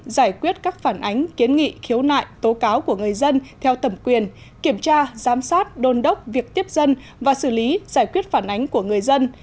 giải quyết các phản ánh kiến nghị khiếu nại tố cáo của người dân theo thẩm quyền kiểm tra giám sát đôn đốc việc tiếp dân và xử lý giải quyết phản ánh của người dân